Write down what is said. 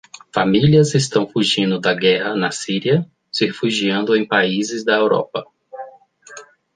Famílias estão fugindo da guerra na Síria, se refugiando em países da Europa